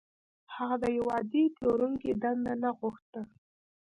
هغه د يوه عادي پلورونکي دنده نه غوښته.